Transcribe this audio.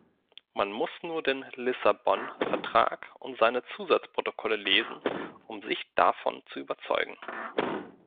Man muss nur den Lissabon-Vertrag und seine Zusatzprotokolle lesen, um sich davon zu überzeugen.